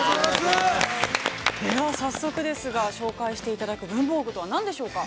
早速ですが、紹介していただく文房具とは何でしょうか。